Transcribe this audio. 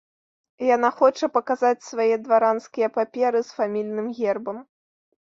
Яна хоча паказаць свае дваранскія паперы з фамільным гербам.